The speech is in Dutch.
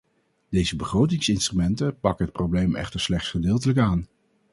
Deze begrotingsinstrumenten pakken het probleem echter slechts gedeeltelijk aan.